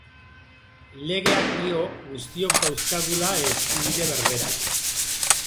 Legeak dio guztiok dauzkagula eskubide berberak.